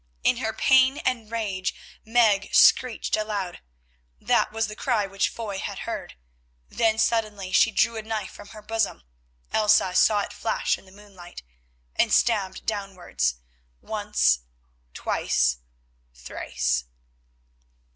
In her pain and rage Meg screeched aloud—that was the cry which Foy had heard. Then suddenly she drew a knife from her bosom—Elsa saw it flash in the moonlight—and stabbed downwards once, twice, thrice.